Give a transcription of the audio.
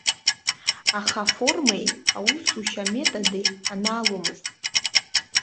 Аха аформеи, аусушьа аметоди анааломызт.